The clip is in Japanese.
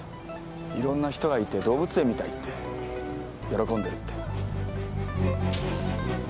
いろんな人がいて動物園みたいって喜んでるって。